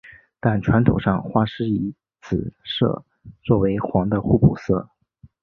但传统上画师以紫色作为黄的互补色。